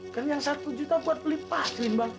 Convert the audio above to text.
kan yang satu juta buat beli pasirin bang